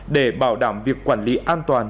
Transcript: để bảo đảm việc quản lý an toàn